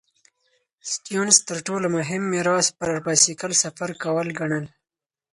سټيونز تر ټولو مهم میراث پر بایسکل سفر کول ګڼل.